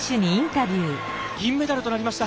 銀メダルとなりました。